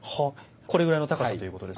これぐらいの高さということですね。